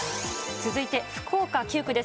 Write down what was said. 続いて、福岡９区です。